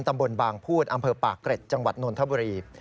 ตำบลบางพูดอำเภอปากเกร็ดจังหวัดนนทบุรี